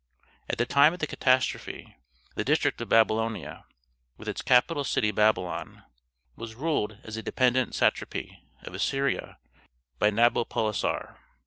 At the time of the catastrophe, the district of Babylonia, with its capital city Babylon, was ruled as a dependent satrapy of Assyria by Nabopolassar.